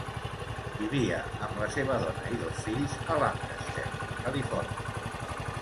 Vivia amb la seva dona i dos fills a Lancaster, Califòrnia.